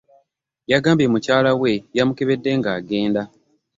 Yagambye mukyala we yamukebedde ng'agenda.